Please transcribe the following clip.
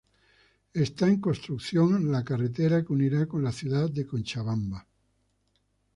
Está en construcción la carretera que la unirá con la ciudad de Cochabamba.